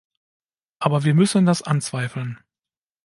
Aber wir müssen das anzweifeln.